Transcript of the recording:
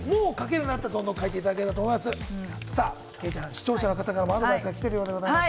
視聴者の方からもアドバイスきているようです。